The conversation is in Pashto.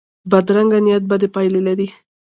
بدرنګه نیت بدې پایلې لري